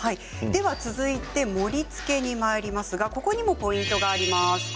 続いて盛りつけにまいりますがここにもポイントがあります。